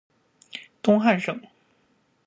东汉省。